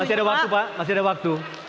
masih ada waktu pak masih ada waktu